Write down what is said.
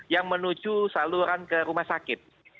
yang menuju saluran ke rumah sakit